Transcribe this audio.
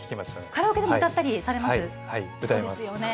カラオケでも歌ったりされます？